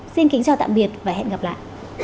xin kính chào tạm biệt và hẹn gặp lại